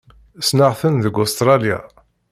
Ssneɣ-ten deg Ustṛalya.